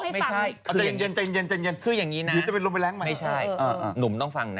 ไม่ใช่โกรธคุณแม่จะเล่าให้ฟังจัดไม่ใช่คืออย่างนี้นะนุ่มต้องฟังนะ